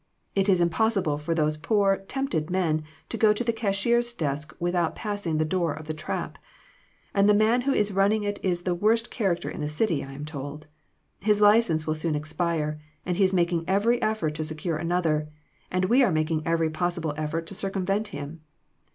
It is impossible for those poor, tempted men to go to the cashier's desk without passing the door of the trap. And the man who is running it is the worst character in the city, I am told. His license will soon expire, and he is making every effort to secure another, and we are making every possible effort to circumvent him.